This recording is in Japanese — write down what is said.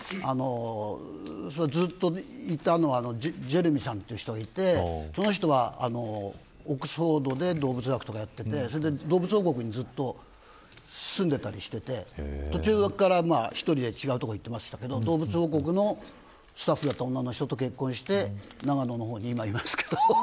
ムツさんの周りにずっといたのはジェレミさんという人がいてその人はオックスフォードで動物学をやっていて動物王国にずっと住んでたりしていて途中から１人で違う所に行ってましたが動物王国のスタッフの人と結婚して長野の方に今いますけど。